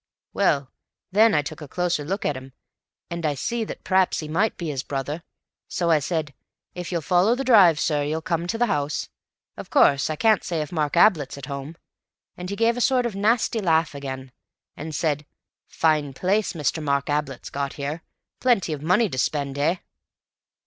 Well, then I took a closer look at him, and I see that p'raps he might be his brother, so I said, 'If you'll follow the drive, sir, you'll come to the house. Of course I can't say if Mr. Ablett's at home.' And he gave a sort of nasty laugh again, and said, 'Fine place Mister Mark Ablett's got here. Plenty of money to spend, eh?